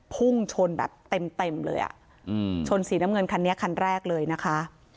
พุ่งชนแบบเต็มเต็มเลยอ่ะอืมชนสีน้ำเงินคันนี้คันแรกเลยนะคะ